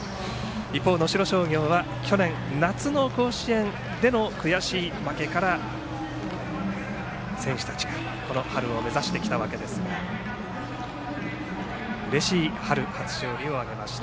一方、能代松陽は去年夏の甲子園での悔しい負けから選手たちがこの春を目指してきたわけですがうれしい春初勝利を挙げました。